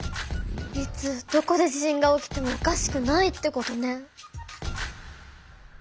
いつどこで地震が起きてもおかしくないってことね。